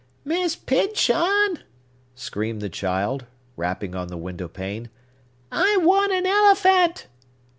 "Miss Pyncheon!" screamed the child, rapping on the window pane, "I want an elephant!"